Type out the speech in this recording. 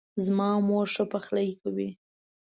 زما مور ښه پخلۍ کوي